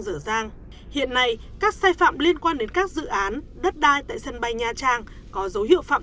dở dàng hiện nay các sai phạm liên quan đến các dự án đất đai tại sân bay nha trang có dấu hiệu phạm